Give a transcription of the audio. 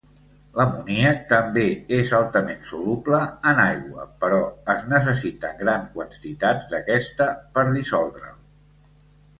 L'amoníac també és altament soluble en aigua però es necessiten grans quantitats d'aquesta per dissoldre'l.